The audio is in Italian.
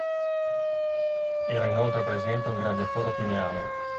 Era inoltre presente un grande foro pineale.